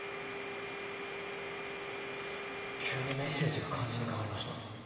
急にメッセージが漢字に変わりました。